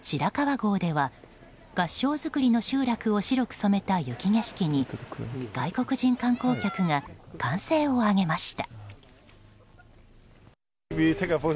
郷では合掌造りの集落を白く染めた雪景色に外国人観光客が歓声を上げました。